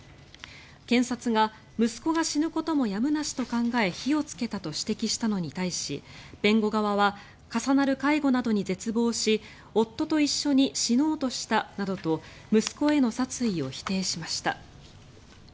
検察が息子が死ぬこともやむなしと考え火をつけたと指摘したのに対し弁護側は重なる介護などに絶望し夫と一緒に死のうとしたなどと息子への殺意を否定しました。